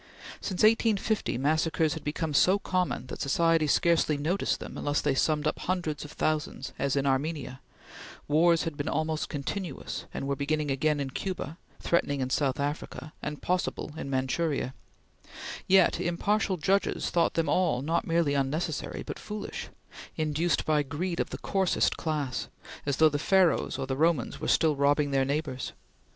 Since 1850, massacres had become so common that society scarcely noticed them unless they summed up hundreds of thousands, as in Armenia; wars had been almost continuous, and were beginning again in Cuba, threatening in South Africa, and possible in Manchuria; yet impartial judges thought them all not merely unnecessary, but foolish induced by greed of the coarsest class, as though the Pharaohs or the Romans were still robbing their neighbors.